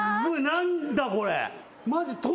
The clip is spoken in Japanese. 何だこれ。